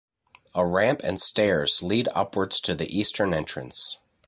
A ramp and stairs lead upwards to the Eastern entrance.